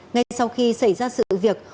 ngay sau khi xảy ra sự việc